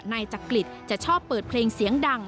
นายจักริตจะชอบเปิดเพลงเสียงดัง